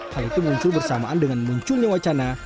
hal itu muncul bersamaan dengan munculnya wacana